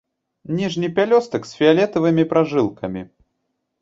Ніжні пялёстак з фіялетавымі пражылкамі.